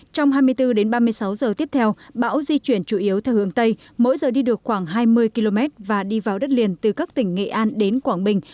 trong hai mươi bốn đến ba mươi sáu giờ tiếp theo bão di chuyển chủ yếu theo hướng tây mỗi giờ đi được khoảng hai mươi km và đi vào đất liền từ các tỉnh nghệ an đến quảng bình